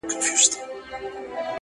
سل لكۍ په ځان پسې كړلې يو سري-